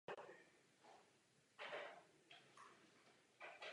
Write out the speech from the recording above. Další důležitá průmyslová odvětví jsou textilní průmysl a informační technologie.